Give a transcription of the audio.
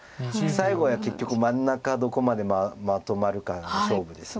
最後は結局真ん中どこまでまとまるかが勝負です。